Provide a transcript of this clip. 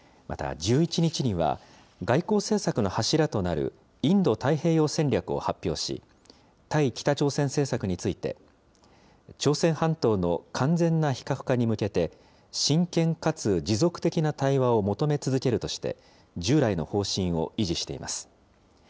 また、１１日には外交政策の柱となるインド太平洋戦略を発表し、対北朝鮮政策について、朝鮮半島の完全な非核化に向けて、真剣かつ持続的な対話を求め続けるとして、従来の方針を維持しています。